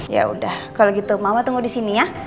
yaudah kalau gitu mama tunggu disini ya